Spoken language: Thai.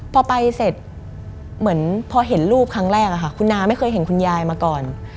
พอไปเสร็จเหมือนพอเห็นรูปครั้งแรกคุณน้าไม่เคยเห็นคุณยายมาก่อน